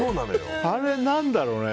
あれ何だろうね。